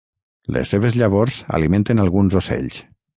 Les seves llavors alimenten alguns ocells.